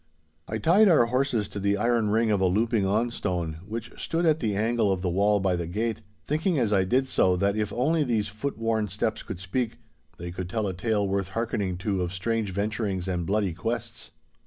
I tied our horses to the iron ring of a louping on stone which stood at the angle of the wall by the gate, thinking as I did so that if only these foot worn steps could speak, they could tell a tale worth hearkening to of strange venturings and bloody quests.